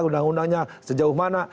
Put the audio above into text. undang undangnya sejauh mana